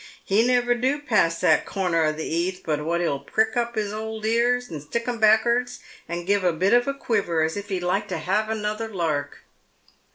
He never do pass that corner o' th' 'eath but what 'e'U prick up his old ears, and stick 'em back'ards and give a bit of a quiver, as if he'd like to have another lark."